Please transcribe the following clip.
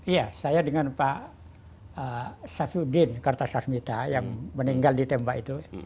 iya saya dengan pak syafiuddin kartasasmita yang meninggal di tembak itu